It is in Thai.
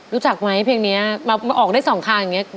รู้จักไหมเพลงนี้ออกได้สองทางอย่างนี้